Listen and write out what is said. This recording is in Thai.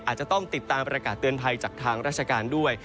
อาจจะต้องติดตามประกาศเตือนภัยจากทางราชการด้วย